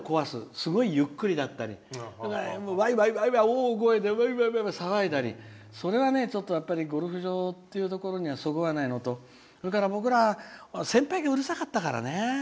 すごいゆっくりだったり大声で騒いだり、それはそれはね、ちょっとゴルフ場っていうところにはそぐわないとそれから僕らは先輩がうるさかったからね。